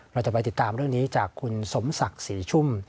เราจะไปติดตามเรื่องนี้จากคุณสมศักดิ์ศรีชุ่ม